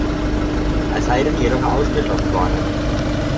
Er sei dann jedoch ausgeschlossen worden.